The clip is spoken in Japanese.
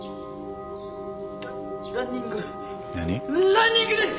ランニングです！